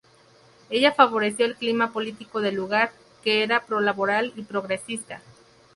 Ella favoreció el clima político del lugar, que era pro-laboral y progresista.